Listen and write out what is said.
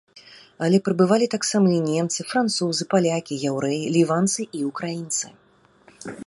Але прыбывалі таксама і немцы, французы, палякі, яўрэі, ліванцы і украінцы.